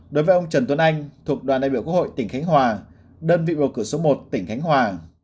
đối với ông trần tuấn anh thuộc đoàn đại biểu quốc hội tỉnh khánh hòa đơn vị bầu cử số một tỉnh khánh hòa